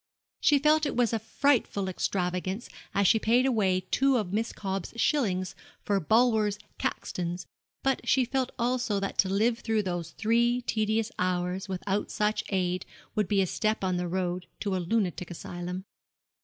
She felt it was a frightful extravagance as she paid away two of Miss Cobb's shillings for Bulwer's 'Caxtons;' but she felt also that to live through those three tedious hours without such aid would be a step on the road to a lunatic asylum.